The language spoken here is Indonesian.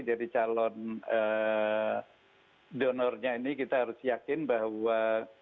jadi calon donornya ini kita harus yakin bahwa